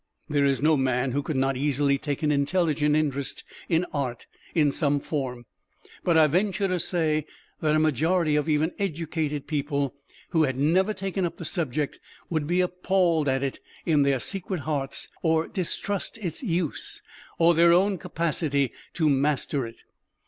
There is no man who could not easily take an intelligent interest in Art in some form, but I venture to say that a majority of even educated people who had never taken up the subject would be appalled at it in their secret hearts, or distrust its "use" or their own capacity to master it.